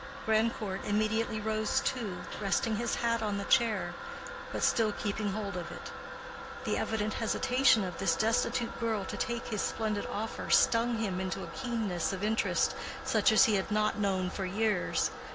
Grandcourt immediately rose too, resting his hat on the chair, but still keeping hold of it. The evident hesitation of this destitute girl to take his splendid offer stung him into a keenness of interest such as he had not known for years.